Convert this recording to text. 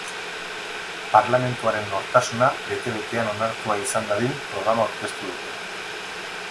Parlamentuaren nortasuna bete-betean onartua izan dadin programa aurkeztu dute.